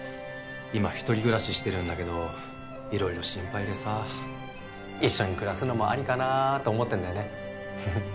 今一人暮らししてるんだけど色々心配でさ一緒に暮らすのもありかなと思ってんだよね